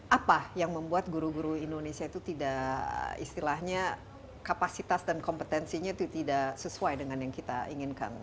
apa yang membuat guru guru indonesia itu tidak istilahnya kapasitas dan kompetensinya itu tidak sesuai dengan yang kita inginkan